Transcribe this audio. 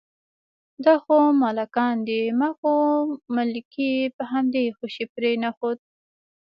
دا خو ملکان دي، ما خو ملکي په همدې خوشې پرېنښوده.